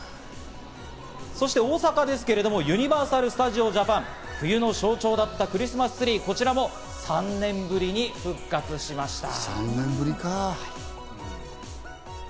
そして大阪ですけれどもユニバーサル・スタジオ・ジャパン、冬の象徴だったクリスマスツリー、こちらも３年ぶりに復活しました。